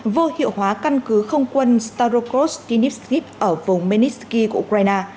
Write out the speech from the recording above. vô hiệu hóa căn cứ không quân starokostnitsky ở vùng menitsky của ukraine